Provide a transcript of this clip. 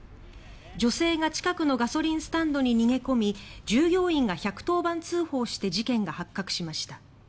女性が近くのガソリンスタンドに逃げ込み従業員が１１０番通報して事件が発覚しました。